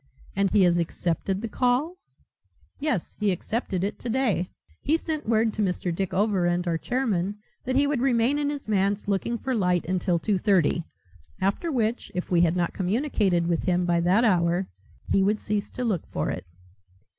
"And he has accepted the call?" "Yes. He accepted it today. He sent word to Mr. Dick Overend our chairman, that he would remain in his manse, looking for light, until two thirty, after which, if we had not communicated with him by that hour, he would cease to look for it."